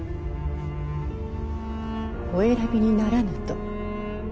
お選びにならぬと。